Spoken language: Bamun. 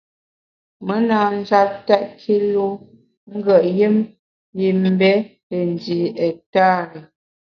Me na njap tèt kilu ngùet yùm yim mbe te ndi ektari.